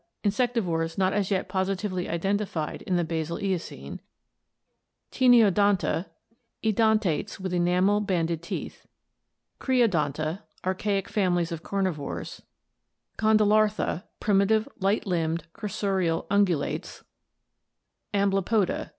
Insectivores not as yet positively identified in the basal Eocene Taeniodonta. Edentates with enamel [ banded] teeth Creodonta. Archaic families of carnivores Condylarthra. Primitive light limbed cursorial ungulates Amblypoda.